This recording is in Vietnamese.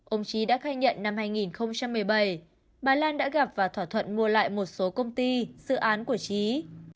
ông trí đã khai nhận năm hai nghìn một mươi bảy bà lan đã gặp và thỏa thuận mua lại một số công ty dự án của trí